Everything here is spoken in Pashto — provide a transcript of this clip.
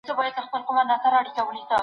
له موږکه ځان ورک سوی دی غره دی